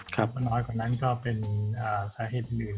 เพราะน้อยกว่านั้นก็เป็นสาเหตุอื่น